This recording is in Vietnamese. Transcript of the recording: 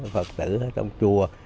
phật tử trong chùa